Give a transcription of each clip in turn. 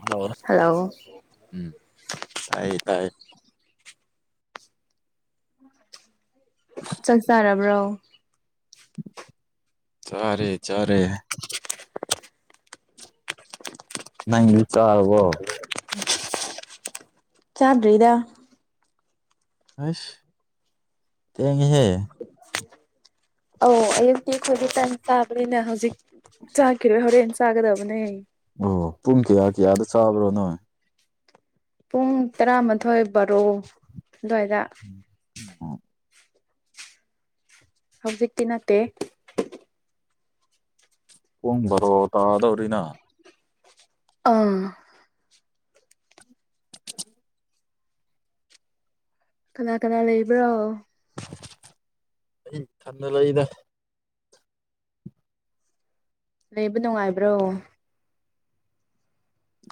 hello hello ꯎꯝ ꯇꯥꯏꯌꯦ ꯇꯥꯏ ꯆꯥꯛ ꯆꯥꯔꯕ꯭ꯔꯣ ꯆꯥꯔꯦ ꯆꯥꯔꯦ ꯅꯪꯗꯤ ꯆꯥꯔꯕ꯭ꯔꯣ ꯆꯥꯗ꯭ꯔꯤꯗ ꯑꯩꯁ ꯊ‌ꯦꯡꯉꯦꯍꯦ ꯑꯧ ꯑꯌꯨꯛꯇꯤ ꯑꯩꯈꯣꯏꯗꯤ ꯇꯥꯟ ꯆꯥꯕꯅꯤꯅ ꯍꯧꯖꯤꯛ ꯆꯥꯈꯤꯔꯣꯏ ꯍꯣꯔꯦꯟ ꯆꯥꯒꯗꯕꯅꯦ ꯑꯣ ꯄꯨꯡ ꯀꯤꯌꯥ ꯀꯤꯌꯥꯗ ꯆꯥꯕ꯭ꯔꯣꯅꯣꯏ ꯄꯨꯡ ꯇꯔꯥꯃꯥꯊꯣꯏ ꯕꯥꯔꯣ ꯑꯗꯨꯋꯥꯏꯗ ꯑꯣ ꯍꯧꯖꯤꯛꯇꯤ ꯅꯠꯇꯦ ꯄꯨꯡ ꯕꯥꯔꯣ ꯇꯥꯗꯧꯔꯤꯅ ꯑꯥ [inaudible] ꯀꯅꯥ ꯀꯅꯥ ꯂꯩꯕꯔꯣ ꯑꯩ ꯏꯊꯟꯗ ꯂꯩꯗ ꯂꯩꯕ ꯅꯨꯡꯉꯥꯏꯕ꯭ꯔꯣ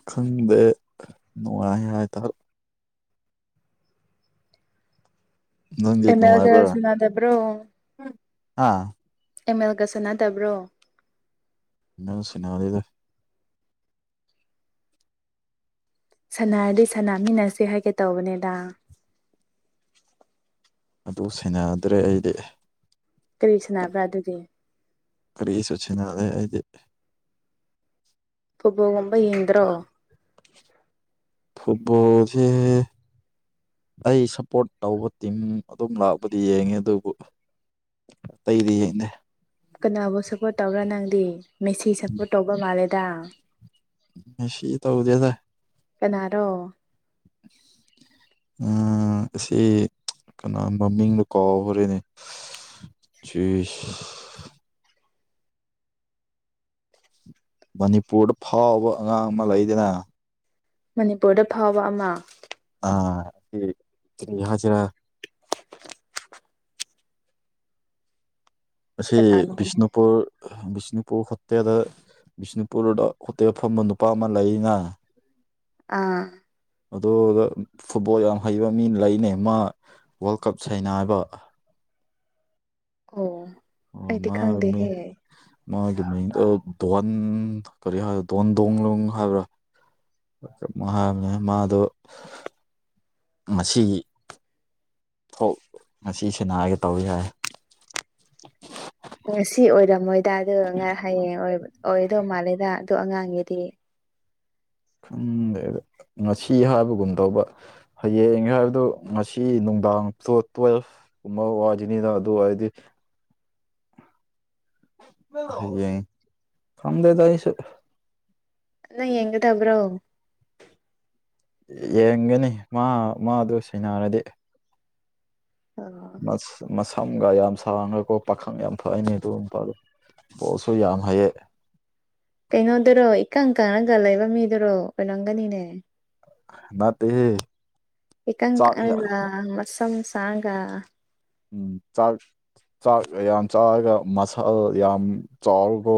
ꯈꯪꯗꯦ ꯅꯨꯡꯉꯥꯏ ꯍꯥꯏꯇꯥꯔꯦ ꯅꯪꯗꯤ ꯑꯦꯝ ꯑꯦꯜꯒ ꯅꯨꯡꯉꯥꯏꯕ꯭ꯔꯥ ꯁꯥꯟꯅꯗꯕ꯭ꯔꯣ ꯍꯥ ꯑꯦꯝ ꯑꯦꯜꯒꯁꯥꯟꯅꯗꯕ꯭ꯔꯣ ꯅ ꯁꯟꯅꯗꯦꯗ ꯁꯟꯅꯔꯗꯤ ꯁꯅꯃꯤꯟꯅꯁꯦ ꯍꯥꯏꯒꯦ ꯇꯧꯕꯅꯤꯗꯥ ꯑꯗꯨ ꯁꯦꯟꯅꯗ꯭ꯔꯦ ꯑꯩꯗꯤ ꯀꯔꯤ ꯁꯥꯟꯅꯕ꯭ꯔꯥ ꯑꯗꯨꯗꯤ ꯀꯔꯤꯁꯨ ꯁꯦꯟꯅꯥꯗꯦ ꯗꯦ ꯑꯩꯗꯤ ꯐꯨꯠꯕꯣꯜꯒꯨꯝꯕ ꯌꯦꯡꯗꯔꯣ ꯐꯨꯠꯕꯣꯜꯁꯦ ꯑꯩ ꯁꯞꯄꯣꯔꯠ ꯇꯧꯕ ꯇꯤꯝ ꯑꯗꯨꯝ ꯂꯥꯛꯄꯗꯤ ꯌꯦꯡꯉꯦ ꯑꯗꯨꯕꯨ ꯑꯇꯩꯗꯤ ꯌꯦꯡꯗꯦ ꯀꯅꯥꯕꯨ ꯁꯞꯄꯣꯔꯠ ꯇꯧꯕ꯭ꯔ ꯅꯪꯗꯤ ꯃꯦꯁꯤ ꯁꯞꯄꯣꯔꯠ ꯇꯧꯕ ꯃꯥꯜꯂꯦꯗ ꯃꯦꯁꯤ ꯇꯧꯗꯦꯗ ꯀꯅꯥꯔꯣ [inaudible] ꯑꯥ ꯑꯁꯤ ꯀꯅꯥ ꯃꯃꯤꯡꯗꯣ ꯀꯥꯎꯈꯔꯦꯅꯦ ꯆꯤꯁ ꯃꯅꯤꯄꯨꯔꯗ ꯐꯥꯎꯕ ꯑꯉꯥꯡ ꯑꯃ ꯂꯩꯗꯅ ꯃꯅꯤꯄꯨꯔꯗ ꯐꯥꯎꯕ ꯑꯃ ꯑꯥ [unintelligible] ꯀꯩ ꯍꯥꯏꯁꯦꯔꯥ ꯑꯁꯤ ꯀꯅꯥꯅꯣ ꯕꯤꯁꯅꯨꯄꯨꯔ -ꯕꯤꯁꯅꯨꯄꯨꯔ ꯍꯣꯇꯦꯜꯂ ꯕꯤꯁꯅꯨꯄꯨꯔꯗ ꯍꯣꯇꯦꯜ ꯐꯝꯕ ꯅꯨꯄꯥ ꯑꯃ ꯂꯩꯌꯦꯅꯥ ꯑꯥ ꯑꯗꯨ ꯐꯨꯠꯕꯣꯜ ꯌꯥꯝ ꯍꯩꯕ ꯃꯤꯅ ꯂꯩꯅꯦ ꯃꯥ ꯋꯥꯔꯜ ꯀꯞ ꯁꯩꯅꯥꯏꯕ ꯑꯣ ꯑꯣ ꯑꯩꯗꯤ ꯃꯥꯔꯃꯦ ꯈꯪꯗꯦꯍꯦ ꯃꯥꯒꯤ ꯃꯤꯡꯗꯣ ꯇꯣꯟ ꯀꯔꯤ ꯍꯥꯏ ꯇꯣꯟ ꯗꯣꯡ ꯂꯪ ꯍꯥꯏꯕ꯭ꯔꯥ [unintelligible] ꯃꯍꯥꯏꯝꯅꯦ ꯃꯥꯗꯣ ꯃꯁꯤꯒꯤ ꯊꯣꯛ ꯉꯁꯤ ꯁꯤꯟꯅꯔꯒꯦ ꯇꯧꯏ ꯍꯥꯏ ꯉꯁꯤ ꯑꯣꯏꯔꯝꯃꯣꯏꯗ ꯑꯗꯣ ꯉ ꯍꯌꯦꯡ ꯑꯣꯏꯗꯧ ꯃꯥꯜꯂꯦꯗ ꯑꯗꯨ ꯑꯉꯥꯡꯒꯤꯗꯤ ꯈꯪꯗꯦꯗ ꯉꯁꯤ ꯍꯥꯏꯕꯒꯨꯝ ꯇꯧꯕ ꯍꯌꯦꯡ ꯍꯥꯏꯕꯗꯨ ꯉꯁꯤ ꯅꯨꯡꯗꯥꯡ ꯇꯨꯌꯦ-ꯇꯨꯌꯦꯜꯐ ꯀꯨꯝꯕ ꯋꯥꯖꯅꯦꯗ ꯑꯗꯨ ꯍꯥꯏꯗꯤ [unintelligible] ꯈꯪꯗꯦꯗ ꯑꯩꯁꯨ ꯅꯪ ꯌꯦꯡꯒꯗꯕ꯭ꯔꯣ ꯌꯦꯡꯒꯅꯤ ꯃꯥ ꯃꯥꯗꯨ ꯁꯟꯅꯔꯗꯤ ꯑꯣ ꯃꯁꯝꯒ ꯌꯥꯝ ꯁꯥꯡꯒꯀꯣ ꯄꯥꯈꯪ ꯌꯥꯝ ꯐꯩꯅꯤ ꯑꯗꯨ ꯅꯨꯄꯥꯗꯣ ꯄꯣꯁꯁꯨ ꯌꯥꯝ ꯍꯩꯌꯦ ꯀꯩꯅꯣꯗꯨꯔꯣ ꯏꯀꯪ ꯀꯪꯂꯒ ꯂꯩꯕ ꯃꯤꯗꯨꯔꯣ ꯑꯣꯏꯔꯝꯒꯅꯤꯅꯦ ꯅꯠꯇꯦꯍꯦ ꯏꯀꯪ ꯆꯥꯛ ꯀꯪꯉꯒ ꯃꯁꯝ ꯁꯥꯡꯉꯒ ꯎ ꯆꯥꯛ- ꯆꯥꯛ ꯌꯥꯝ ꯆꯥꯔꯒ ꯃꯁꯜ ꯌꯥꯝ ꯆꯥꯑꯣꯀꯣ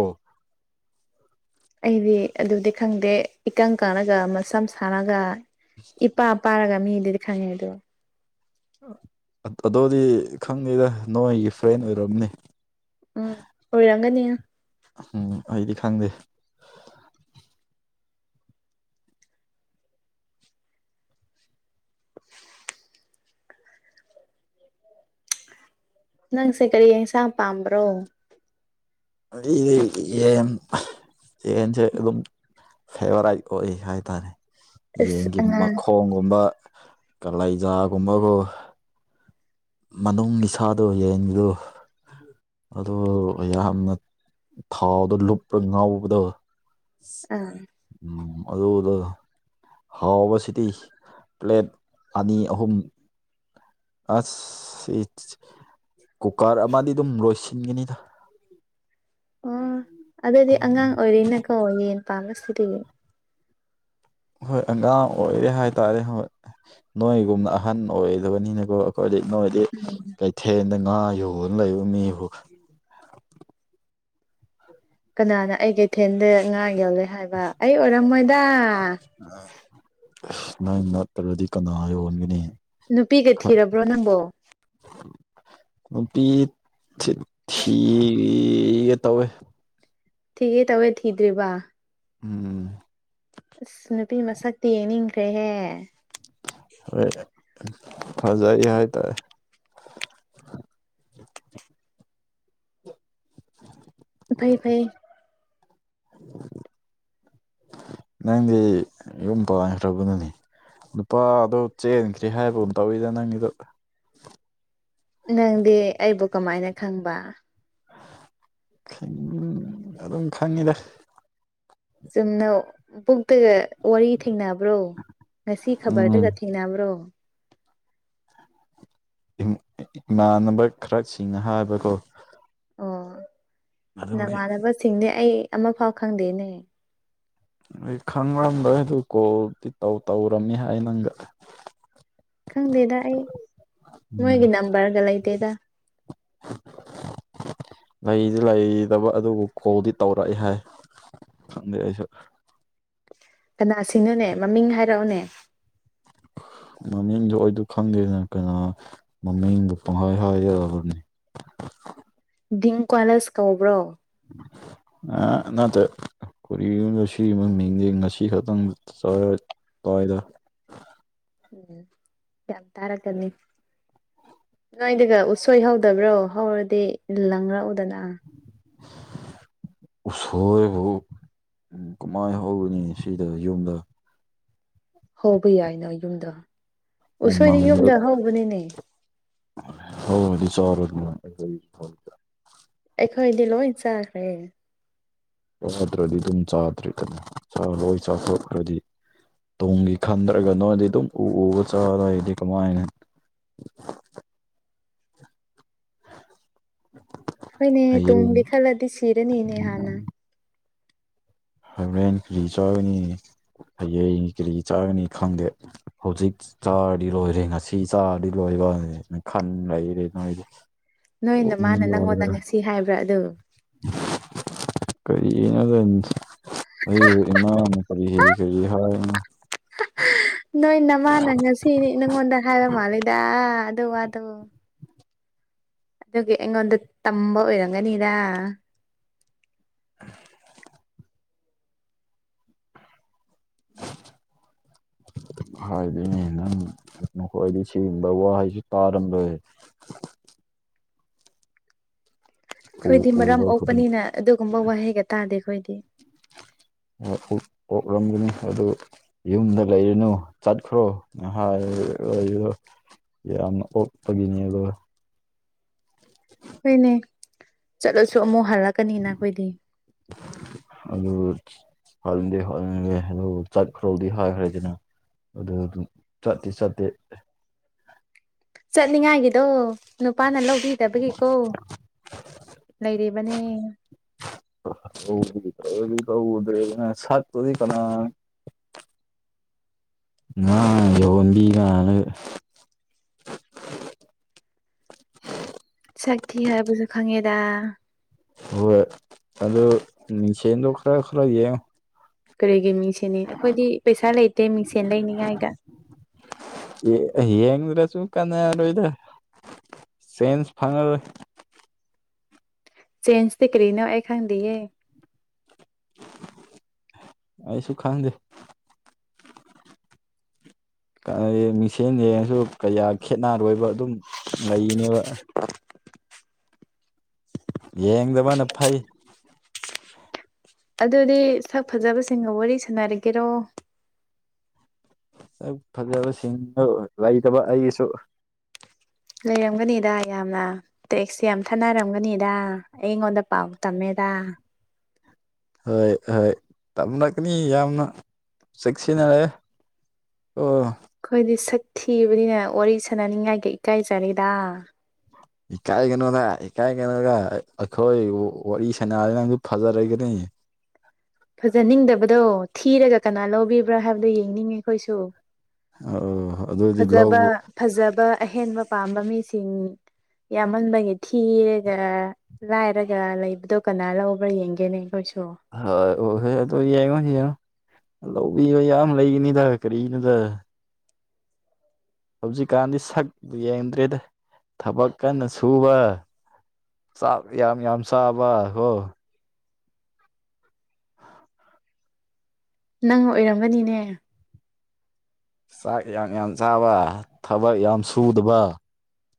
ꯑꯩꯗꯤ ꯑꯗꯨꯗꯤ ꯈꯪꯗꯦ ꯏꯀꯪ ꯀꯪꯂꯒ ꯃꯁꯝ ꯁꯥꯡꯂꯒ [unintelligible] ꯏꯄꯥ ꯄꯥꯔꯒ ꯃꯤꯗꯨꯗꯤ ꯈꯪꯉꯦ ꯑꯗꯨ ꯑꯗꯣꯗꯤ ꯈꯪꯗꯦꯗ ꯅꯣꯏꯒꯤ ꯐ꯭ꯔꯦꯟ ꯑꯣꯏꯔꯝꯅꯤ ꯎꯝ ꯑꯣꯏꯔꯝꯒꯅꯤ ꯎꯝ ꯑꯩꯗꯤ ꯈꯪꯗꯦ ꯅꯪꯁꯦ ꯀꯔꯤ ꯌꯦꯟꯁꯥꯡ ꯄꯥꯝꯕ꯭ꯔꯣ ꯌꯤ ꯌꯦꯟ ꯖꯦ ꯑꯗꯨꯝ ꯐꯦꯕꯣꯔꯥꯏꯠ ꯑꯣꯏ ꯍꯥꯏꯇꯥꯔꯦ ꯑꯁ ꯌꯦꯟꯒꯤ ꯑꯉꯥꯡ ꯃꯈꯣꯡꯒꯨꯝꯕ ꯀꯂꯩꯖꯥꯒꯨꯝꯕꯒꯣ ꯃꯅꯨꯡꯒꯤ ꯁꯥꯥꯗꯣ ꯌꯦꯟꯗꯨ ꯑꯗꯨ ꯌꯥꯝꯅ ꯊꯥꯎꯗꯣ ꯂꯨꯞꯔ ꯉꯥꯎꯕꯗꯣ ꯑꯥ [unintelligible] ꯎꯝ ꯑꯗꯨꯗ ꯍꯥꯎꯕꯁꯤꯗꯤ ꯄ꯭ꯂꯦꯠ ꯑꯅꯤ ꯑꯍꯨꯝ ꯑꯁ [unintelligible] ꯀꯨꯀꯔ ꯑꯃꯗꯤꯗꯨꯝ ꯂꯣꯏꯁꯤꯟꯒꯅꯤꯗ ꯑꯣ ꯑꯗꯨꯗꯤ ꯑꯉꯥꯡ ꯎꯝ ꯑꯣꯏꯔꯤꯅꯀꯣ ꯌꯦꯟ [unintelligible] ꯁꯤꯗꯒꯤ ꯍꯣꯏ ꯑꯉꯥꯡ ꯑꯣꯏꯔꯤ ꯍꯥꯏꯇꯥꯔꯦ ꯍꯣꯏ ꯅꯣꯏꯒꯨꯝꯅ ꯑꯍꯟ ꯑꯣꯏꯗꯕꯅꯤꯅꯀꯣ ꯑꯩꯈꯣꯏꯗꯤ ꯅꯣꯏꯗꯤ ꯎꯝ ꯀꯩꯊꯦꯜꯗ ꯉꯥ ꯌꯣꯟ ꯂꯩꯕ ꯃꯤꯕꯨ ꯀꯅꯥꯅ ꯑꯩ ꯀꯩꯊꯦꯜꯗ ꯉꯥ ꯌꯣꯂꯦ ꯍꯥꯏꯕ ꯑꯩ ꯑꯣꯏꯔꯝꯃꯣꯏꯗ ꯅꯪ ꯅꯠꯇ꯭ꯔꯗꯤ ꯀꯅꯥ ꯌꯣꯟꯒꯅꯤ ꯅꯨꯄꯤꯒ ꯊꯤꯔꯕ꯭ꯔꯣ ꯅꯪꯕꯣ ꯅꯨꯄꯤ ꯆꯤꯠ ꯊꯤꯒꯦ ꯇꯧꯋꯦ ꯊꯤꯒꯦ ꯇꯧꯋꯦ ꯊꯤꯗ꯭ꯔꯤꯕ ꯎꯝ ꯑꯁ ꯅꯨꯄꯤ ꯃꯁꯛꯇꯤ ꯌꯦꯡꯅꯤꯡꯈ꯭ꯔꯦꯍꯦ ꯍꯣꯏ ꯐꯖꯩ ꯍꯥꯏꯇꯥꯏ ꯐꯩ ꯐꯩ ꯅꯪꯗꯤ ꯌꯨꯝ ꯄꯥꯟꯈ꯭ꯔꯕꯅꯅꯤ ꯅꯨꯄꯥꯗꯣ ꯆꯦꯟꯊ꯭ꯔꯤ ꯍꯥꯏꯕꯒꯨꯝ ꯇꯧꯋꯤꯗ ꯅꯪꯒꯤꯗꯣ ꯅꯪꯗꯤ ꯑꯩꯕꯨ ꯀꯃꯥꯏꯅ ꯈꯪꯕ ꯈꯪ ꯑꯗꯨꯝ ꯈꯪꯉꯤꯗ ꯆꯨꯝꯅ ꯕꯨꯛꯇꯒ ꯋꯥꯔꯤ ꯊꯦꯡꯅꯕ꯭ꯔꯣ ꯉꯁꯤ ꯎꯝ ꯈꯕ꯭ꯔꯗꯒ ꯊꯦꯡꯅꯕ꯭ꯔꯣ [unintelligible] ꯏꯃꯥꯟꯅꯕ ꯈꯔ ꯁꯤꯡꯅ ꯍꯥꯏꯕꯀꯣ ꯑꯣ ꯑꯗꯨꯒꯤ ꯅꯃꯥꯟꯅꯕꯁꯤꯡꯗꯤ ꯑꯩ ꯑꯃꯐꯥꯎ ꯈꯪꯗꯦꯅꯦ ꯑꯩ ꯈꯪꯔꯝꯔꯣꯏ ꯑꯗꯨ ꯀꯣꯜꯗꯤ ꯇꯧ ꯇꯧꯔꯝꯃꯤ ꯍꯥꯏ ꯅꯪꯒ ꯈꯪꯗꯦꯗ ꯑꯩ ꯎꯝ ꯃꯣꯏꯒꯤ ꯅꯝꯕꯔꯒ ꯂꯩꯇꯦꯗ ꯂꯩꯗꯤ ꯂꯩꯇꯕ ꯑꯗꯨꯕꯨ ꯀꯣꯜꯗꯤ ꯇꯧꯔꯛꯢ ꯍꯥꯏ ꯈꯪꯗꯦ ꯑꯩꯁꯨ ꯀꯅꯥꯁꯤꯡꯅꯣꯅꯦ ꯃꯃꯤꯡ ꯍꯥꯏꯔꯛꯑꯣꯅꯦ ꯃꯃꯤꯡꯗꯣ ꯑꯩꯗꯣ ꯈꯪꯗꯦꯗ ꯀꯅꯥ ꯃꯃꯤꯡꯗꯣ ꯄꯪꯍꯥꯏ ꯍꯥꯏ ꯌꯥꯕ꯭ꯔꯥꯅꯦ ꯗꯤꯡꯀ꯭ꯋꯥꯂꯁ ꯀꯧꯕ꯭ꯔꯣ ꯑꯥ ꯅꯠꯇꯦ ꯀꯔꯤꯅꯣꯗ ꯁꯤꯒꯝ ꯃꯤꯡꯗꯤ ꯉꯁꯤ ꯈꯛꯇꯪ ꯇꯥꯌꯦ ꯇꯥꯏꯗ ꯎꯝ ꯌꯥꯝ ꯇꯔꯛꯀꯅꯤ ꯅꯣꯏꯗꯒ ꯎꯠꯁꯣꯏ ꯍꯧꯗꯕ꯭ꯔꯣ ꯍꯧꯔꯗꯤ ꯂꯪꯔꯛꯎꯗꯅ [inaudible] ꯎꯁꯣꯏꯕꯨ ꯀꯃꯥꯏ ꯍꯧꯔꯨꯅꯤ ꯁꯤꯗ ꯌꯨꯝꯗ ꯍꯧꯕ ꯌꯥꯏꯅ ꯌꯨꯝꯗ ꯎꯁꯣꯏꯗꯤ ꯎꯃꯪꯗ ꯌꯨꯝꯗ ꯍꯧꯕꯅꯤꯅꯦ ꯍꯧꯔꯗꯤ ꯆꯥꯔꯣꯗꯅ [unintelligible] ꯑꯩꯈꯣꯏꯗꯤ ꯂꯣꯏ ꯆꯥꯈ꯭ꯔꯦ ꯆꯗ꯭ꯔꯗꯤ ꯑꯗꯨꯝ ꯆꯥꯗ꯭ꯔꯦꯗꯅ ꯆꯥ ꯂꯣꯏ ꯆꯥꯊꯣꯛꯈ꯭ꯔꯗꯤ ꯇꯨꯡꯒꯤ ꯈꯟꯗ꯭ꯔꯒ ꯅꯣꯏꯗꯤ ꯑꯗꯨꯝ ꯎ ꯎꯕ ꯆꯥꯔ ꯂꯩꯔꯗꯤ ꯀꯃꯥꯏꯅ ꯍꯣꯏꯅꯦ ꯍꯌꯦꯡ ꯇꯨꯡꯒꯤ ꯈꯜꯂꯗꯤ ꯁꯤꯔꯅꯤꯅꯦ ꯍꯥꯟꯅ ꯍꯣꯔꯦꯟ ꯀꯔꯤ ꯆꯥꯒꯅꯤ ꯍꯌꯦꯡꯒꯤ ꯀꯔꯤ ꯆꯥꯒꯅꯤ ꯈꯪꯗꯦ ꯍꯧꯖꯤꯛ ꯆꯥꯔꯗꯤ ꯂꯣꯏꯔꯦ ꯉꯁꯤ ꯆꯥꯔꯗꯤ ꯂꯣꯏꯕ ꯈꯟ ꯂꯩꯔꯦ ꯅꯣꯏꯗꯤ ꯅꯣꯏ ꯅꯃꯥꯅ ꯅꯪꯉꯣꯟꯗ ꯉꯁꯤ ꯍꯥꯏꯕ꯭ꯔꯥ ꯑꯗꯨ ꯀꯔꯤꯒꯤꯅꯣꯗ ꯑꯩꯕꯨ ꯏꯃꯥꯅ ꯀꯔꯤ ꯀꯔꯤ ꯀꯔꯤ ꯍꯥꯏꯕꯅꯣ ꯅꯣꯏ ꯅꯃꯥꯅ ꯉꯁꯤꯗꯤ ꯅꯪꯉꯣꯟꯗ ꯍꯥꯏꯕ ꯃꯥꯜꯂꯤꯗ ꯑꯗꯨ ꯋꯥꯗꯣ ꯑꯗꯨꯒꯤ ꯑꯩꯉꯣꯟꯗ ꯇꯝꯕ ꯑꯣꯏꯔꯝꯒꯅꯤꯗ [unintelligible] [unintelligible] ꯍꯥꯏꯗꯤꯅꯦ ꯅꯪ ꯅꯈꯣꯏꯗꯤ ꯁꯤꯒꯨꯝꯕ ꯋꯥꯍꯩꯁꯦ ꯇꯥꯔꯝꯂꯣꯏ ꯎ ꯑꯩꯈꯣꯏꯗꯤ ꯃꯔꯝ ꯎꯕ ꯈꯨꯗꯤꯡ ꯑꯣꯛꯄꯅꯤꯅ ꯑꯗꯨꯒꯨꯝꯕ ꯋꯥꯍꯩꯒ ꯇꯥꯗꯦ ꯑꯩꯈꯣꯏꯗꯤ ꯑꯣꯛꯂꯝꯒꯅꯤ ꯑꯗꯨ ꯌꯨꯝꯗ ꯂꯩꯔꯨꯅꯨ ꯆꯠꯈ꯭ꯔꯣ [unintelligible] ꯌꯥꯝꯅ ꯑꯣꯛꯄꯒꯤꯅꯦꯕ [unintelligible] ꯍꯣꯏꯅꯦ ꯆꯠꯂꯁꯨ ꯑꯃꯨꯛ ꯍꯜꯂꯛꯀꯅꯤꯅ ꯈꯣꯏꯗꯤ ꯑꯗꯨꯕꯨ ꯍꯟꯗꯤ ꯍꯟꯂꯦ ꯗꯨ ꯆꯠꯈ꯭ꯔꯣꯗꯤ ꯍꯥꯏꯈ꯭ꯔꯦꯗꯅ ꯑꯗꯨ ꯑꯗꯨꯝ ꯆꯠꯇꯤ ꯆꯠꯇꯦ ꯆꯠꯅꯤꯡꯉꯥꯏꯒꯤꯗꯣ ꯅꯨꯄꯥꯅ ꯂꯧꯕꯤꯗꯕꯒꯤꯀꯣ ꯂꯩꯔꯤꯕꯅꯦ [unintelligible] ꯁꯛꯇꯨꯗꯤ ꯀꯅꯥꯅ ꯉꯥ ꯌꯣꯟꯕꯤ ꯃꯥꯜꯂꯒ ꯁꯛ ꯊꯤ ꯍꯥꯏꯕꯁꯨ ꯈꯪꯉꯦꯗ ꯍꯣꯏ ꯑꯗꯣ ꯃꯤꯡꯁꯦꯜꯗꯣ ꯈꯔ ꯈꯔ ꯌꯦꯡꯉꯣ ꯀꯔꯤꯒꯤ ꯃꯤꯡꯁꯦꯜꯅꯤ ꯑꯩꯈꯣꯏꯗꯤ ꯄꯩꯁꯥ ꯂꯩꯇꯦ ꯃꯤꯡꯁꯦꯟ ꯂꯩꯅꯤꯉꯥꯏꯒ ꯑꯣ ꯌꯦꯡꯉꯨꯔꯁꯨ ꯀꯥꯟꯅꯔꯣꯏꯗ ꯆꯦꯟꯁ ꯐꯪꯉꯔꯣꯏ ꯆꯦꯟꯁꯇꯤ ꯀꯔꯤꯅꯣ ꯑꯩ ꯈꯪꯗꯤꯌꯦ ꯑꯩꯁꯨ ꯈꯪꯗꯦ ꯀꯥꯏꯌꯦ ꯃꯤꯡꯁꯦꯜ ꯌꯦꯡꯉꯁꯨ ꯀꯌꯥ ꯈꯦꯠꯅꯔꯣꯏꯕ ꯑꯗꯨꯝ ꯂꯩꯅꯦꯕ ꯌꯦꯡꯗꯕꯅ ꯐꯩ ꯑꯗꯨꯗꯤ ꯁꯛ ꯐꯖꯕꯁꯤꯡꯒ ꯋꯥꯔꯤ ꯁꯥꯟꯅꯔꯒꯦꯔꯣ ꯁꯛ ꯐꯖꯕꯁꯤꯡꯗꯣ ꯂꯩꯇꯕ ꯑꯩꯒꯤꯁꯨ ꯂꯩꯔꯝꯒꯅꯤꯗ ꯌꯥꯝꯅ ꯇꯦꯛꯁ ꯌꯥꯝ ꯊꯅꯔꯝꯒꯅꯤꯗ ꯑꯩꯉꯣꯟꯗ ꯄꯥꯎ ꯇꯝꯃꯦꯗ ꯍꯣꯏ ꯍꯣꯏ ꯇꯝꯂꯛꯀꯅꯤ ꯌꯥꯝꯅ ꯆꯦꯛꯁꯤꯟꯅꯔꯦ ꯑꯣ ꯈꯣꯏꯗꯤ ꯁꯛ ꯊꯤꯕꯅꯤꯅ ꯋꯥꯔꯤ ꯁꯥꯟꯅꯅꯤꯡꯉꯥꯏꯒ ꯏꯀꯥꯏꯖꯔꯦꯗ ꯏꯀꯥꯏꯒꯅꯣꯗ ꯏꯀꯥꯏꯒꯅꯣꯒ ꯑꯩꯈꯣꯏ ꯋꯥꯔꯤ ꯁꯥꯟꯅꯕꯅꯥꯗꯤ ꯐꯖꯔꯛꯒꯅꯤ ꯐꯖꯅꯤꯡꯗꯕꯗꯣ ꯊꯤꯔꯒ ꯀꯅꯥ ꯂꯧꯕꯤꯕ꯭ꯔꯥ ꯍꯥꯏꯕꯗꯨꯣ ꯌꯦꯡꯅꯤꯡꯉꯦ ꯑꯩꯈꯣꯏꯁꯨ ꯑ ꯑꯗꯨꯑꯣꯏꯗꯤ ꯐꯖꯕ ꯂꯧꯔꯣ ꯐꯖꯕ ꯑꯍꯦꯟꯕ ꯄꯥꯝꯕ ꯃꯤꯁꯤꯡ ꯌꯥꯝꯃꯟꯕꯒꯤ ꯊꯤꯔꯒ ꯂꯥꯏꯔꯒ ꯂꯩꯕꯗꯣ ꯀꯅꯥ ꯂꯧꯕ꯭ꯔꯥ ꯌꯦꯡꯒꯦꯅꯦ ꯑꯩꯈꯣꯏꯁꯨ ꯍꯣꯏ ꯍꯣꯏ ꯍꯣꯏ ꯑꯗꯨ ꯌꯦꯡꯉꯣ ꯌꯦꯡꯉꯣ ꯂꯧꯕꯤꯕ ꯌꯥꯝ ꯂꯩꯒꯅꯤꯗ ꯀꯔꯤꯅꯣꯗ ꯍꯧꯖꯤꯛꯀꯥꯟꯗꯤ ꯁꯛ ꯌꯦꯡꯗ꯭ꯔꯦꯗ ꯊꯕꯛ ꯀꯟꯅ ꯁꯨꯕ ꯆꯥꯛ ꯌꯥꯝ ꯌꯥꯝ ꯆꯥꯕ ꯍꯣ ꯅꯪ ꯑꯣꯏꯔꯝꯒꯅꯤꯅꯦ ꯆꯥꯛ ꯌꯥꯝ ꯌꯥꯝ ꯆꯥꯕ ꯊꯕꯛ ꯌꯥꯝ ꯁꯨꯗꯕ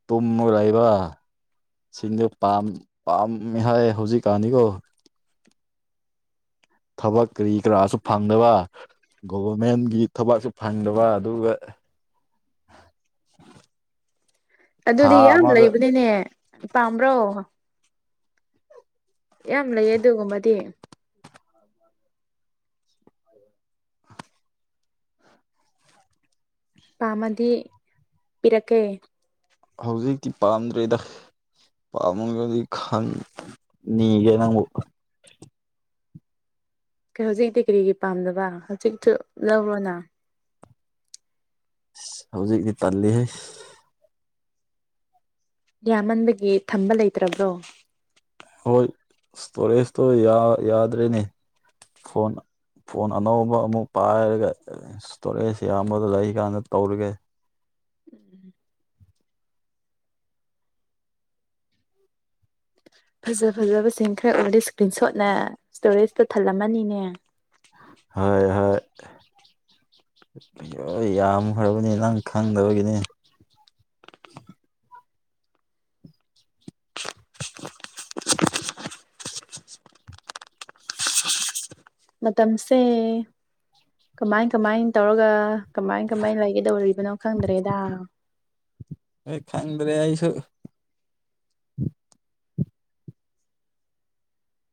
ꯇꯨꯝꯃꯒꯔꯩꯕ ꯁꯤꯡꯗꯣ ꯄꯥꯝ ꯄꯥꯝꯃꯦ ꯍꯥꯏ ꯍꯧꯖꯤꯛꯀꯥꯟꯗꯤꯀꯣ ꯊꯕꯛ ꯀ꯭ꯔꯤ ꯀꯔꯥꯁꯨ ꯐꯪꯗꯕ ꯒꯣꯚꯔꯃꯦꯟꯒꯤ ꯊꯕꯛꯁꯨ ꯐꯪꯗꯕ ꯑꯗꯨꯒ ꯊꯥ ꯑꯗꯨꯗꯤ ꯌꯥꯝ ꯑꯃꯗ ꯂꯩꯕꯅꯤꯅꯦ ꯄꯥꯝꯕ꯭ꯔꯣ ꯌꯥꯝ ꯂꯩꯌꯦ ꯑꯗꯨꯒꯨꯝꯕꯗꯤ [inaudible] [inaudible] ꯄꯥꯝꯃꯗꯤ ꯄꯤꯔꯛꯀꯦ ꯍꯧꯖꯤꯛꯇꯤ ꯄꯥꯝꯗ꯭ꯔꯦꯗ ꯄꯥꯝꯃꯨꯒꯗꯤ ꯈꯪ ꯅꯤꯒꯦ ꯅꯪꯕꯨ ꯀꯩ ꯍꯧꯖꯤꯛꯇꯤ ꯀꯔꯤꯒꯤ ꯄꯥꯝꯗꯕ ꯍꯧꯖꯤꯛꯁꯨ ꯂꯧꯔꯣꯅ ꯁꯤ ꯍꯧꯖꯤꯛꯇꯤ ꯇꯜꯂꯤꯍꯩ ꯌꯥꯝꯃꯟꯕꯒꯤ ꯊꯝꯕ ꯂꯩꯇ꯭ꯔꯥꯕ꯭ꯔꯣ ꯍꯣꯏ ꯏꯁꯇꯣꯔꯦꯁꯇꯣ ꯌꯥ ꯌꯥꯗ꯭ꯔꯦꯅꯦ ꯐꯣꯟ ꯐꯣꯟ ꯑꯅꯧꯕ ꯑꯃꯨꯛ ꯄꯥꯏꯔꯒ ꯏꯁꯇꯣꯔꯦꯁ ꯌꯥꯝꯕꯗꯨ ꯂꯩ ꯀꯥꯟꯗ ꯇꯧꯔꯒꯦ ꯐꯖ ꯐꯖꯕꯁꯤꯡ ꯈꯔ ꯎꯔꯗꯤ ꯏꯁ꯭ꯀ꯭ꯔꯤꯟ ꯁꯣꯠꯅ ꯏꯁ꯭ꯇꯣꯔꯦꯖꯇꯣ ꯊꯜꯂꯝꯃꯅꯤꯅꯦ ꯍꯣꯏ ꯍꯣꯏ ꯌꯥꯝꯈ꯭ꯔꯥꯕꯅꯤ ꯅꯪ ꯈꯪꯗꯕꯒꯤꯅꯤ ꯃꯇꯝꯁꯦ ꯀꯃꯥꯏ ꯀꯃꯥꯏ ꯇꯧꯔꯒ ꯀꯃꯥꯏꯟ ꯀꯃꯥꯏꯟ ꯂꯩꯒꯗꯧꯔꯤꯕꯅꯣ ꯈꯪꯗ꯭ꯔꯦꯗꯥ ꯑꯩ ꯈꯪꯗ꯭ꯔꯦ ꯑꯩꯁꯨ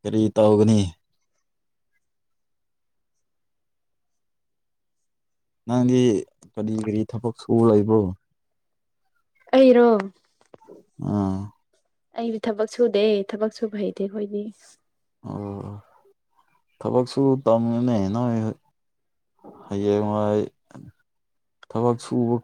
ꯀꯔꯤ ꯇꯧꯒꯅꯤ ꯅꯪꯗꯤ ꯀꯔꯤ ꯀꯔꯤ ꯊꯕꯛ ꯁꯨ ꯂꯩꯕ꯭ꯔꯣ ꯑꯩꯔꯣ ꯑꯥ ꯑꯩꯕꯨ ꯊꯕꯛ ꯁꯨꯗꯦ ꯊꯕꯛ ꯁꯨꯕ ꯍꯩꯇꯦ ꯑꯩꯈꯣꯏꯗꯤ ꯑꯣ ꯊꯕꯛꯁꯨ ꯇꯝꯃꯨꯅꯦ ꯅꯣꯏ ꯍꯣꯏ ꯍꯌꯦꯡ ꯋꯥꯥꯏ ꯊꯕꯛ ꯁꯨꯕ